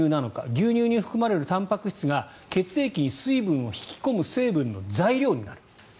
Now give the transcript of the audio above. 牛乳に含まれるたんぱく質が血液に水分を引き込む成分の材料になる。